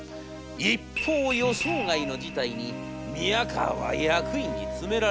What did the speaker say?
一方予想外の事態に宮河は役員に詰められる。